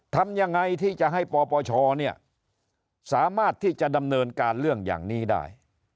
ทำยังไงที่จะให้ปปชเนี่ยสามารถที่จะดำเนินการเรื่องอย่างนี้ได้